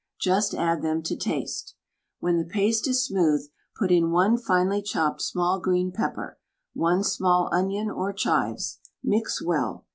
Just add them to taste. When the paste is smooth put in one finely chopped small green pepper; one small onion, or chives. Mix well!